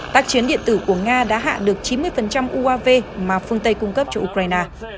tác chiến điện tử của nga đã hạ được chín mươi uav mà phương tây cung cấp cho ukraine